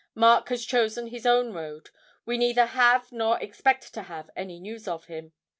Mark has chosen his own road we neither have nor expect to have any news of him.